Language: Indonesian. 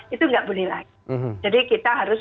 itu nggak boleh lagi jadi kita harus